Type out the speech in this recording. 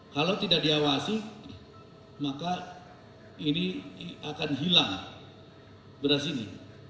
kalau tidak diawasi maka ini akan hilang beras ini